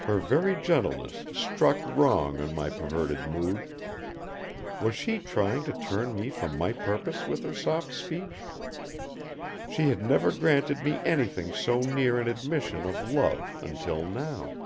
Her very gentleness struck wrong on my perverted mood. Was she trying to turn me from my purpose with her soft speech? She had never granted me anything so near an admission of love until now.